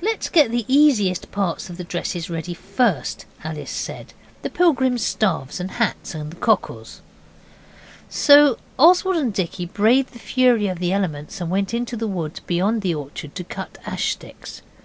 'Let's get the easiest parts of the dresses ready first.' Alice said 'the pilgrims' staffs and hats and the cockles.' So Oswald and Dicky braved the fury of the elements and went into the wood beyond the orchard to cut ash sticks.